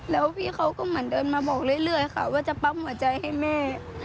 แล้วพี่เขาก็เหมือนเดินมาบอกเรื่อยค่ะว่าจะปั๊มหัวใจให้แม่